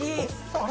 あれ？